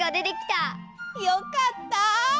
よかった！